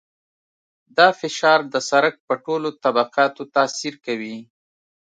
دا فشار د سرک په ټولو طبقاتو تاثیر کوي